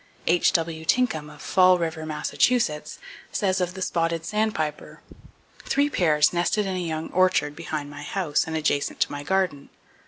H.W. Tinkham, of Fall River, Mass., says of the spotted sandpiper: "Three pairs nested in a young orchard behind my house and adjacent to my garden.